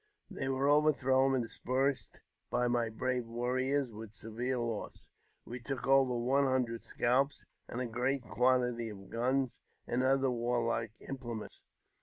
They were over .^ thrown and dispersed by my brave warriors, with severe los^il We took over one hundred scalps, and a great quantity of' guns and other warlike implements.